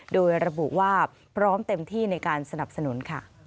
โดยระบุว่าพร้อมเต็มที่ในการสนับสนุน